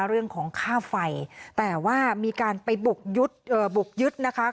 เรื่องของค่าไฟแต่ว่ามีการไปบุกยึดเอ่อบุกยึดนะคะ